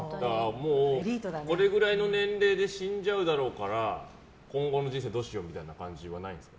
もう、これくらいの年齢で死んじゃうだろうから今後の人生どうしようみたいなのはないんですか？